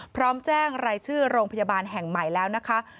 พร้อมแจ้งรายชื่อโรงพยาบาลแห่งใหม่แล้วนะคะ